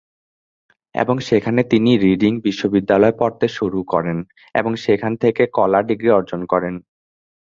এবং সেখানে তিনি রিডিং বিশ্ববিদ্যালয়ে পড়তে শুরু করেন এবং সেখান থেকে কলা ডিগ্রি অর্জন করেন।